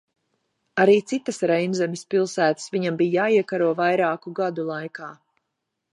Arī citas Reinzemes pilsētas viņam bija jāiekaro vairāku gadu laikā.